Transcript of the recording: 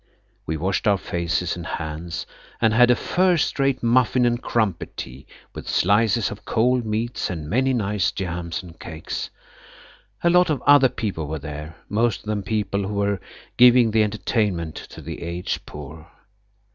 We washed our faces and hands and had a first rate muffin and crumpet tea, with slices of cold meats, and many nice jams and cakes. A lot of other people were there, most of them people who were giving the entertainment to the aged poor.